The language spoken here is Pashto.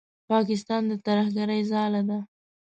پاکستان د ترهګرۍ ځاله ده.